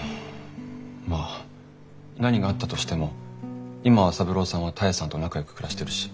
まあ何があったとしても今は三郎さんは多江さんと仲よく暮らしてるし。